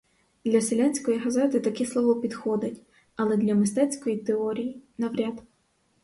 Для селянської газети таке слово підходить, але для мистецької теорії — навряд.